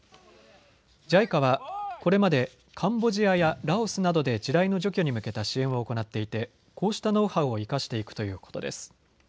ＪＩＣＡはこれまでカンボジアやラオスなどで地雷の除去に向けた支援を行っていてこうしたノウハウを生かしていくということです。